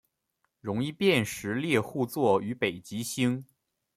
容易辨识猎户座与北极星